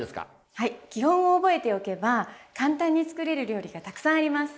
はい基本を覚えておけば簡単に作れる料理がたくさんあります。